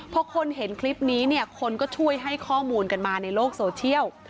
พอคนเห็นคลิปนี้เนี่ยคนก็ช่วยให้ข้อมูลกันมาในโลกโซเชียล